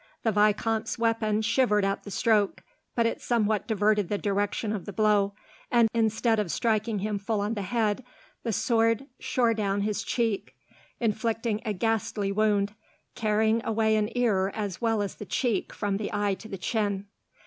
The vicomte's weapon shivered at the stroke, but it somewhat diverted the direction of the blow, and instead of striking him full on the head, the sword shore down his cheek, inflicting a ghastly wound, carrying away an ear as well as the cheek from the eye to the chin.